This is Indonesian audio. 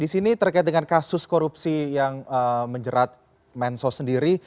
di sini terkait dengan kasus korupsi yang menjerat mensos sendiri